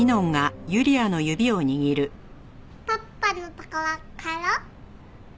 パッパのところ帰ろ。